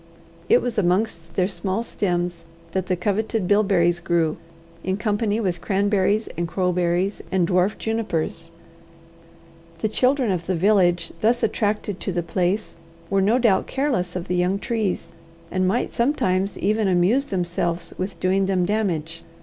It was amongst their small stems that the coveted bilberries grew, in company with cranberries and crowberries, and dwarf junipers. The children of the village thus attracted to the place were no doubt careless of the young trees, and might sometimes even amuse themselves with doing them damage.